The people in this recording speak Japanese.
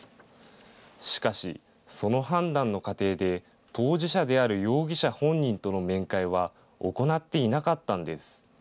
しかしその判断の過程で当事者である容疑者本人との面会は行っていなかったんです。